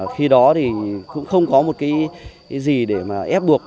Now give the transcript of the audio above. khi đó thì cũng không có một cái gì để mà ép buộc